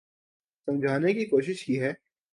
سمجھانے کی کوشش کی ہے